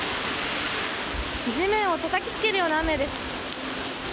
地面をたたきつけるような雨です。